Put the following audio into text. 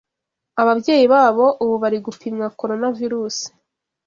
Ababyeyi babo ubu bari gupimwa coronavirus,